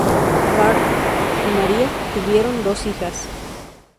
Karl y María tuvieron dos hijas.